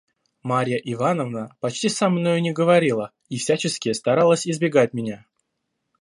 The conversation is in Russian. Марья Ивановна почти со мною не говорила и всячески старалась избегать меня.